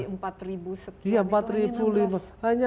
dari empat sekitar itu hanya enam belas